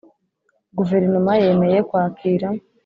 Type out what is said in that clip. guverinoma yemeye kwakira